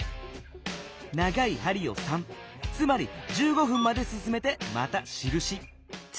長い針を３つまり１５分まですすめてまたしるし。